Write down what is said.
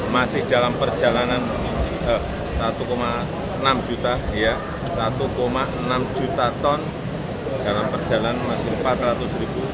masih dalam perjalanan satu enam juta ton dalam perjalanan masih empat ratus ribu